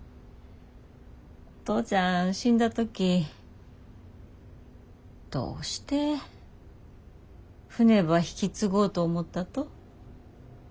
父ちゃん死んだ時どうして船ば引き継ごうと思ったと？